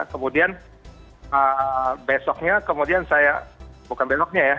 kemudian besoknya bukan besoknya ya